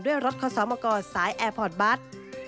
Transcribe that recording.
ด้วยรถคสมกรสายแอร์พอร์ตบัตร